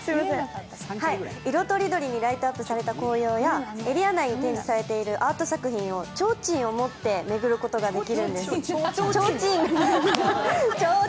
色とりどりにライトアップされた紅葉やエリア内に展示されているアート作品をちょうちんを持って巡ることができるんです。